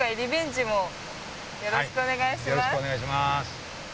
よろしくお願いします。